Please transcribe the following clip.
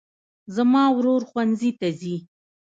زما ورور ښوونځي ته ځي